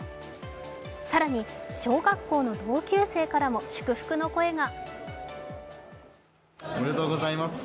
更に、小学校の同級生からも祝福の声が。